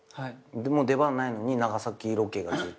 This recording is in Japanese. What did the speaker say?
出番ないのに長崎ロケがずっとあって。